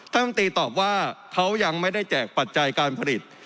รัฐมนตรีตอบว่าเขายังไม่ได้แจกปัจจัยการผลิต